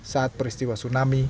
saat peristiwa tsunami